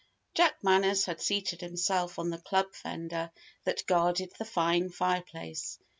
Jack Manners had seated himself on the club fender that guarded the fine fireplace.